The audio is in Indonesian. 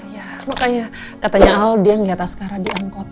ya makanya katanya al dia ngeliat askara diangkot